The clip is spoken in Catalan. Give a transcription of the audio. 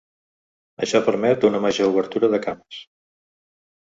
Això permet una major obertura de cames.